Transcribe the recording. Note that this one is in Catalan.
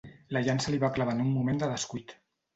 La llança li va clavar en un moment de descuit.